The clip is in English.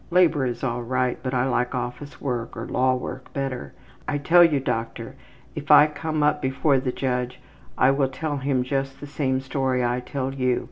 Labor is all right, but I like office work or law work better. I tell you, doctor, if I come up before the judge I will tell him just the same story I tell you.